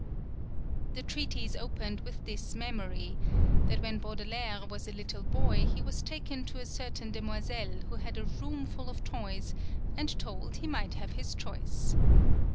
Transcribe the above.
The treatise opened with this mem ory, that when Baudelaire was a little boy he was taken to a certain demoiselle who had a room full of toys, and told he might have his choice.